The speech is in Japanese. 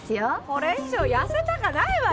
これ以上やせたかないわよ